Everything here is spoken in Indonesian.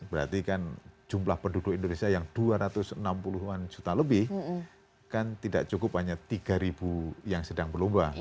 berarti kan jumlah penduduk indonesia yang dua ratus enam puluh an juta lebih kan tidak cukup hanya tiga ribu yang sedang berlomba